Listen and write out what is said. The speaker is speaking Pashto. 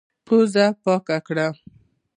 پزه يې پاکه کړه.